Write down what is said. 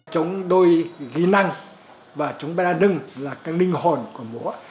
trống đôi ghi năng và trống ba ra nương là cái linh hồn của múa